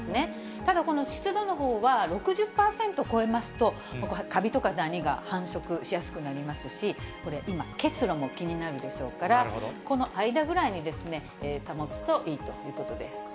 ただこの湿度のほうは６０％超えますと、カビとかダニが繁殖しやすくなりますし、今、結露も気になるでしょうから、この間ぐらいに保つといいということです。